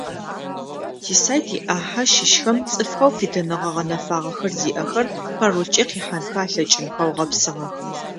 Тисайт иӏахьэ щыщхэм цӏыфхэу фитыныгъэ гъэнэфагъэхэр зиӏэхэр паролкӏэ къихьэнхэ алъэкӏынхэу гъэпсыгъэх.